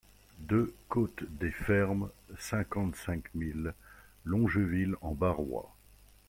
deux côte des Fermes, cinquante-cinq mille Longeville-en-Barrois